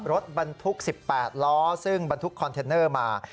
รถบรรทุก๑๘ล้อซึ่งบรรทุกคอนเทนเนอร์มา